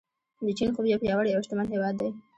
د چین خوب یو پیاوړی او شتمن هیواد دی.